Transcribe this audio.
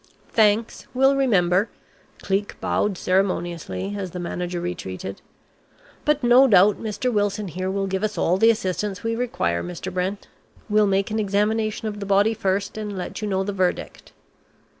"Thanks. We'll remember," Cleek bowed ceremoniously, as the manager retreated, "but no doubt Mr. Wilson here will give us all the assistance we require, Mr. Brent. We'll make an examination of the body first, and let you know the verdict."